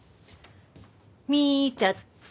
見ぃちゃった。